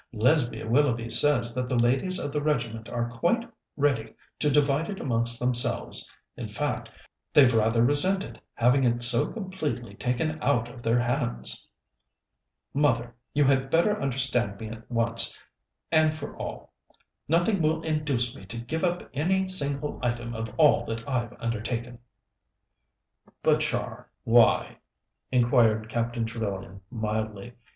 Lesbia Willoughby says that the ladies of the regiment are quite ready to divide it amongst themselves in fact, they've rather resented having it so completely taken out of their hands." "Mother, you had better understand me once and for all. Nothing will induce me to give up any single item of all that I've undertaken." "But, Char, why?" inquired Captain Trevellyan mildly.